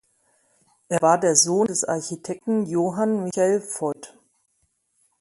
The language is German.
Er war der Sohn des Architekten Johann Michael Voit.